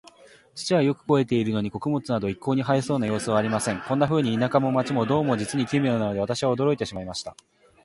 土はよく肥えているのに、穀物など一向に生えそうな様子はありません。こんなふうに、田舎も街も、どうも実に奇妙なので、私は驚いてしまいました。